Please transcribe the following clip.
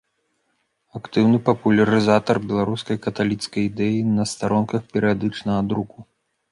Актыўны папулярызатар беларускай каталіцкай ідэі на старонках перыядычнага друку.